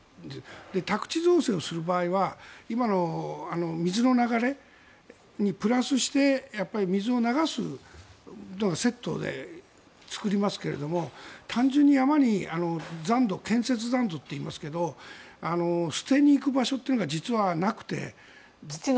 宅地造成をする場合は今の水の流れにプラスして水を流すのをセットで作りますけれども単純に山に残土建設残土といいますが捨てに行く場所というのが実はなくて。